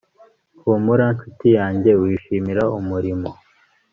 humura, nshuti yanjye, wishimira umuriro